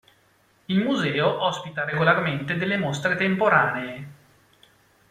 Il museo ospita regolarmente delle mostre temporanee.